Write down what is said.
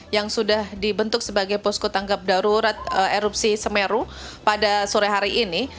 yang sudah dibentuk sebagai posko tanggap darurat erupsi semeru pada sore hari ini